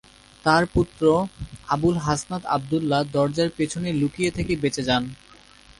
তার পুত্র আবুল হাসনাত আবদুল্লাহ দরজার পিছনে লুকিয়ে থেকে বেঁচে যান।